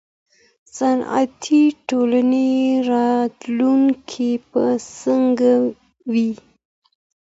صنعتي ټولنې راتلونکی به څنګه وي.